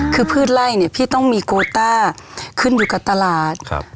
คือพืชไล่เนี่ยพี่ต้องมีโคต้าขึ้นอยู่กับตลาดครับ